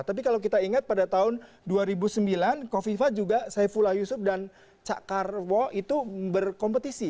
tapi kalau kita ingat pada tahun dua ribu sembilan kofifa juga saifullah yusuf dan cak karwo itu berkompetisi